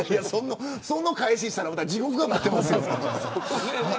その返しをしたら地獄が待ってますよ。